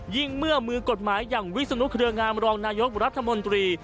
เมื่อมือกฎหมายอย่างวิศนุเครืองามรองนายกรัฐมนตรี